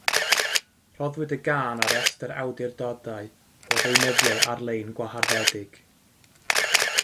Rhoddwyd y gân ar restr awdurdodau o ddeunyddiau ar-lein gwaharddedig.